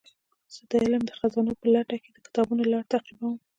زه د علم د خزانو په لټه کې د کتابونو لار تعقیبوم.